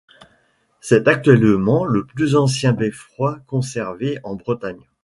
C'est actuellement le plus ancien beffroi conservé en Bretagne.